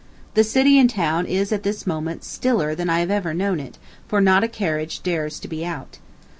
The city and town is at this moment stiller than I have ever known it, for not a carriage dares to be out.